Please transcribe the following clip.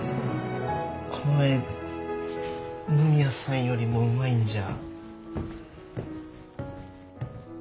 この絵野宮さんよりもうまいんじゃ。